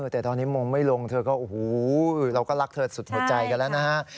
แต่ตอนนี้มองไม่ลงเธอก็โอ้โหเราก็รักเธอสุดหัวใจกันแล้วนะฮะ